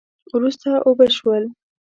وروسته اوبه شول